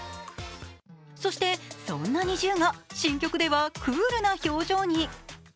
そして、そんなＮｉｚｉＵが新曲ではクールな表情に。